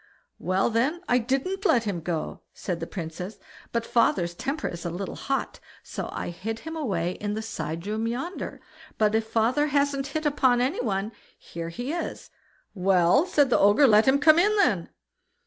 "Well then, I didn't let him go", said the Princess; "but father's temper is a little hot, so I hid him away in the side room yonder; but if father hasn't hit upon any one, here he is." "Well", said the Ogre, "let him come in then."